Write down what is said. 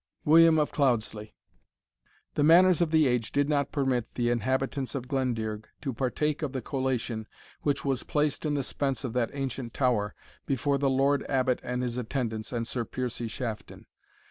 WILLIAM OF CLOUDESLEY. The manners of the age did not permit the inhabitants of Glendearg to partake of the collation which was placed in the spence of that ancient tower, before the Lord Abbot and his attendants, and Sir Piercie Shafton.